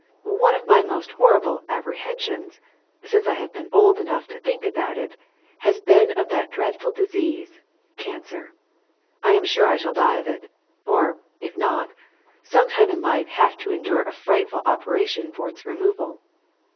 One of my most horrible apprehensions, since I have been old enough to think about it, has been of that dreadful disease, cancer. I am sure I shall die of it, or, if not, some time in life have to endure a frightful operation for its removal.